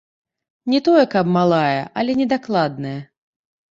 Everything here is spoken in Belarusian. Не тое, каб малая, але не дакладная.